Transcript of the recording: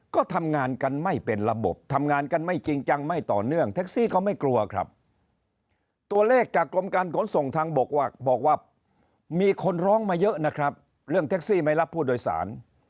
ขนส่งทางบอกว่ามีคนร้องมาเยอะนะครับเรื่องเท็กซี่ไม่รับผู้โดยสาร